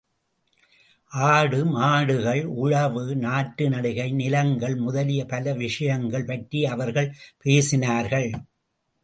ஆடு, மாடுகள், உழவு, நாற்று நடுகை, நிலங்கள் முதலிய பல விஷயங்கள் பற்றி அவர்கள் பேசினார்கள்.